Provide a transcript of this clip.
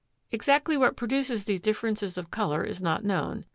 Exactly what produces these differences of color is not known.